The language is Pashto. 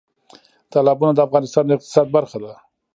تالابونه د افغانستان د اقتصاد برخه ده.